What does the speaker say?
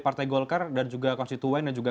partai golkar dan juga konstituen dan juga